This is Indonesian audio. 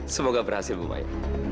semoga berhasil bumaya